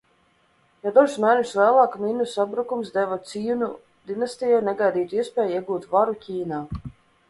Jau dažus mēnešus vēlāk Minu sabrukums deva Cjinu dinastijai negaidītu iespēju iegūt varu Ķīnā.